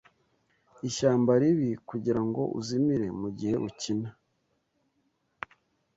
ishyamba ribi kugirango uzimire mugihe ukina